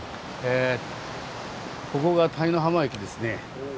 ここが田井ノ浜駅ですね。